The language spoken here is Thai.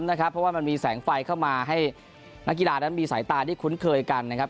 เพราะว่ามันมีแสงไฟเข้ามาให้นักกีฬานั้นมีสายตาที่คุ้นเคยกันนะครับ